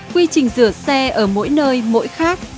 quy trình rửa xe ở mỗi nơi mỗi khác